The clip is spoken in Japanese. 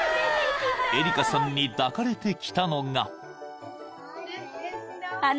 ［エリカさんに抱かれてきたのが］